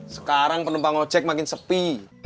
sekarang penumpang ojek makin sepi